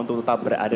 untuk tetap berada